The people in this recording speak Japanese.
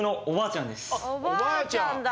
おばあちゃんだ。